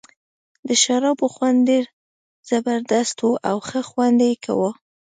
د شرابو خوند ډېر زبردست وو او ښه خوند یې کاوه.